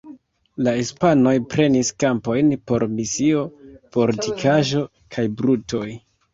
La hispanoj prenis kampojn por misio, fortikaĵo kaj brutoj.